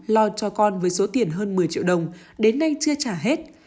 lo cho con với số tiền hơn một mươi triệu đồng đến nay chưa trả hết